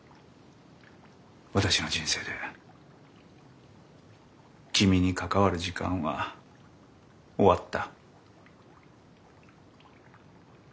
私の人生で君に関わる時間は終わった。